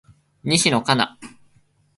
西野カナ